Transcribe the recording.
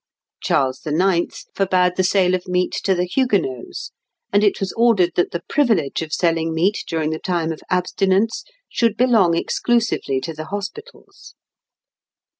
Charles IX forbade the sale of meat to the Huguenots; and it was ordered that the privilege of selling meat during the time of abstinence should belong exclusively to the hospitals.